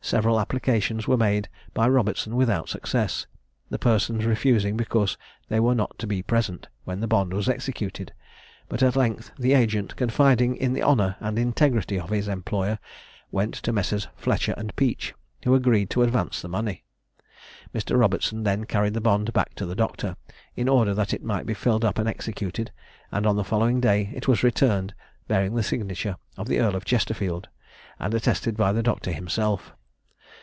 Several applications were made by Robertson without success, the persons refusing because they were not to be present when the bond was executed; but at length the agent, confiding in the honour and integrity of his employer went to Messrs. Fletcher and Peach, who agreed to advance the money. Mr. Robertson then carried the bond back to the doctor, in order that it might be filled up and executed; and on the following day it was returned, bearing the signature of the Earl of Chesterfield, and attested by the doctor himself.